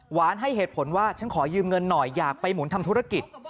ให้เหตุผลว่าฉันขอยืมเงินหน่อยอยากไปหมุนทำธุรกิจ